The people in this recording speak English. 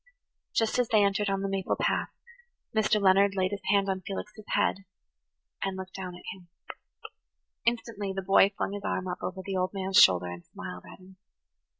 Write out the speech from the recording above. Just as they entered on the maple path Mr. Leonard laid his hand on Felix's head and looked down at him. Instantly the boy flung his arm up over the old man's shoulder and smiled at him.